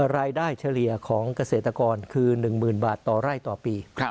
เฉลี่ยของเกษตรกรคือ๑๐๐๐บาทต่อไร่ต่อปี